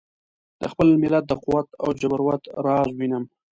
د خپل ملت د قوت او جبروت راز وینم.